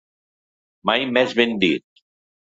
Mai més ben dit.